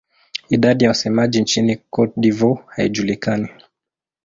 Idadi ya wasemaji nchini Cote d'Ivoire haijulikani.